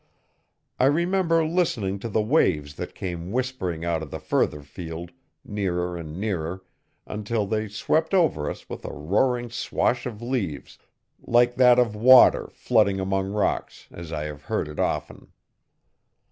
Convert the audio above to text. I remember listening to the waves that came whispering out of the further field, nearer and nearer, until they swept over us with a roaring swash of leaves, like that of water flooding among rocks, as I have heard it often.